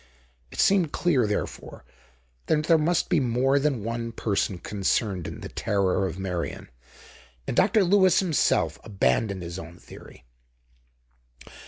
It seemed clear, therefore, that there must be more than one person concerned in the terror of Meirion. And Dr. Lewis himself abandoned his own theory.